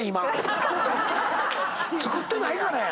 作ってないからや。